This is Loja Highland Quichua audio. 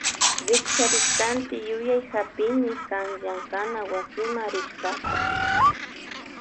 Rikcharishkanti yuyay hapimi kan llankana wasima rishkata.